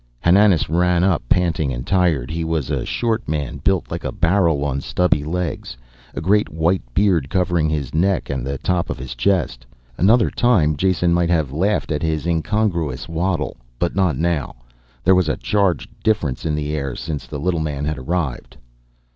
Hananas ran up, panting and tired. He was a short man, built like a barrel on stubby legs, a great white beard covering his neck and the top of his chest. Another time Jason might have laughed at his incongruous waddle, but not now. There was a charged difference in the air since the little man had arrived.